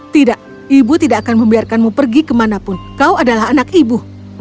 tidak ibu tidak akan membiarkanmu pergi kemanapun kau adalah anak ibu